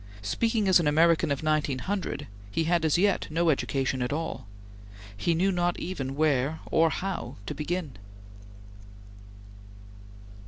Speaking as an American of 1900, he had as yet no education at all. He knew not even where or how to begin.